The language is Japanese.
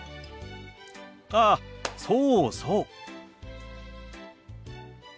あそうそう。